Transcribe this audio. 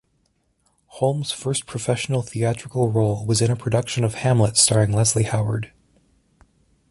Holm's first professional theatrical role was in a production of "Hamlet" starring Leslie Howard.